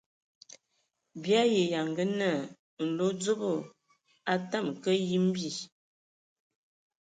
Bii ayi yanga naa nlodzobo a tamǝ ka yimbi.